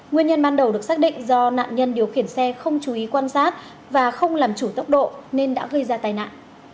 nguyên nhân ban đầu được xác định do nạn nhân điều khiển xe không chú ý quan sát và không làm chủ tốc độ nên đã gây ra tai nạn